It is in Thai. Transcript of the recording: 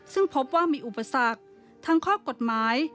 ซึ่งพบว่ามีอุปสรรคทั้งข้อกฎหมาย